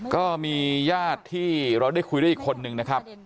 ก็มีญาติที่เราได้คุยด้วยอีกคนนึงนะครับ